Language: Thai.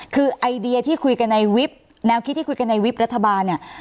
คือไอเดียที่คุยกันในวิบแนวคิดที่คุยกันในวิบรัฐบาลเนี่ย